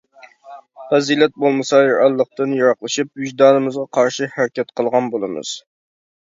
«پەزىلەت» بولمىسا، رېئاللىقتىن يىراقلىشىپ، ۋىجدانىمىزغا قارشى ھەرىكەت قىلغان بولىمىز.